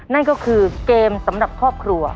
นั่นก็คือเกมสำหรับครอบครัว